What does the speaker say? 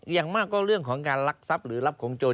อย่างมากก็เรื่องของการรักทรัพย์หรือรับของโจร